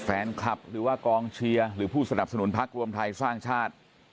แฟนคลับหรือว่ากองเชียร์หรือผู้สนับสนุนพักรวมไทยสร้างชาติ